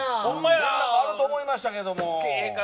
あると思いましたけども。